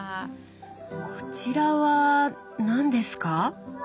こちらは何ですか？